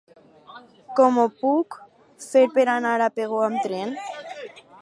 Com ho puc fer per anar a Pego amb tren?